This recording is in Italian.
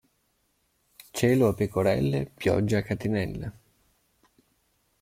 Cielo a pecorelle, pioggia a catinelle.